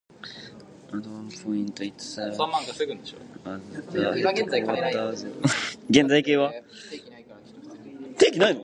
At one point, it served as the headquarters of a police detachment.